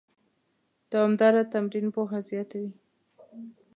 دوامداره تمرین پوهه زیاتوي.